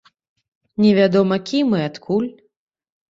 Невядома кім і адкуль.